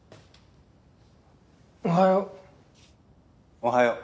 おはよう。